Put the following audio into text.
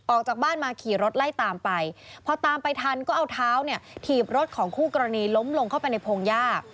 ออกจากบ้านมาขี่รถไล่ตามไปพอตามไปทันก็เอาเท้าเนี่ยถีบรถของคู่กรณีล้มลงเข้าไปในพงหญ้า